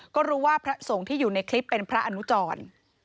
ก็รู้ว่าพระสงฆ์ที่อยู่ในคลิปเป็นพระอนุจร